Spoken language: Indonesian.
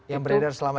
yang beredar selama ini